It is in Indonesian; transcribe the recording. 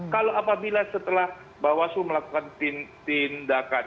kalau apabila setelah bawaslu melakukan tindakan